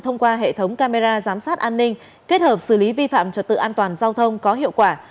thông qua hệ thống camera giám sát an ninh kết hợp xử lý vi phạm trật tự an toàn giao thông có hiệu quả